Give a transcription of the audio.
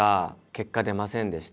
結果出ませんでした。